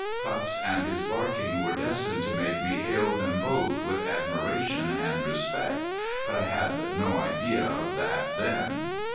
Pups and his barking were destined to make me hail them both with admiration and respect, but I had no idea of that then.